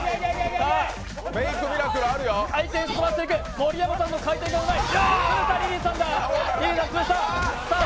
盛山さんの回転がうまい。